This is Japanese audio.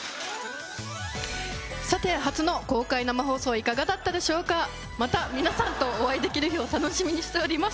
さて初の公開生放送いかがだったでしょうかまた皆さんとお会いできる日を楽しみにしております